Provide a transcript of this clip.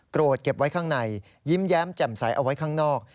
เก็บไว้ข้างในยิ้มแย้มแจ่มใสเอาไว้ข้างนอก